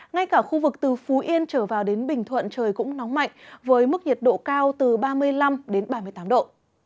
ngay cả khu vực từ phú yên trở vào đến bình thuận trời cũng nóng mạnh với mức nhiệt độ cao từ ba mươi năm đến ba mươi tám độ